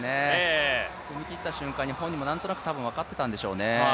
踏み切った瞬間に本人も何となく分かっていたんでしょうね。